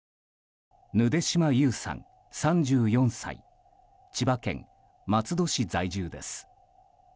ヌデシマ・ユウさん、３４歳千葉県松戸市在住です。